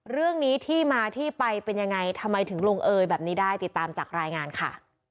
เรื่องนี้ที่มาที่ไปเป็นยังไงทำไมถึงลงเอยแบบนี้ได้ติดตามจากรายงานค่ะ